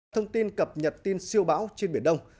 thông tin cập nhật tin siêu bão trên biển đông